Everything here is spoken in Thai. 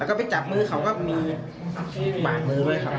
แล้วก็ไปจับมื้อกับมือเขาก็มีบาดมื้อด้วยครับ